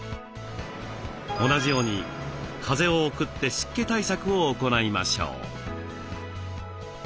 同じように風を送って湿気対策を行いましょう。